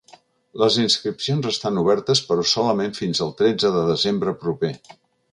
Les inscripcions estan obertes però solament fins el tretze de desembre proper.